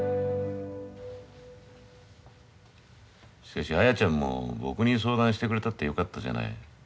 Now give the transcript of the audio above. しかし綾ちゃんも僕に相談してくれたってよかったじゃない。